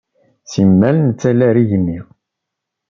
Simmal nettali ar igenni.